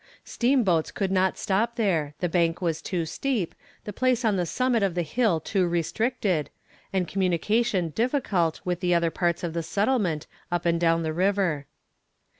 Steamboats could not stop there; the bank was too steep, the place on the summit of the hill too restricted, and communication difficult with the other parts of the settlement up and down the river.